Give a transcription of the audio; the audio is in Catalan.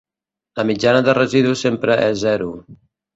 La mitjana dels residus sempre és zero.